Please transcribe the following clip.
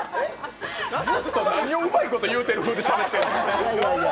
ずっと何をうまいこと言うてる風でしゃべってるの。